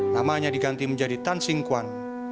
namanya diganti menjadi tan singkwan